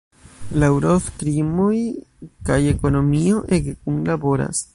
Laŭ Roth krimoj kaj ekonomio ege kunlaboras.